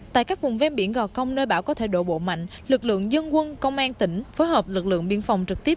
tại các vùng ven biển gò công nơi bão có thể đổ bộ mạnh lực lượng dân quân công an tỉnh phối hợp lực lượng biên phòng trực tiếp